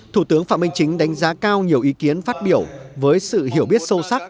thủ tướng phạm minh chính đánh giá cao nhiều ý kiến phát biểu với sự hiểu biết sâu sắc